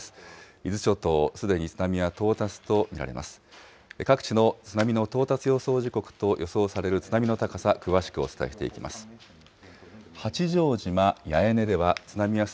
伊豆諸島、すでに津波は到達と見られます。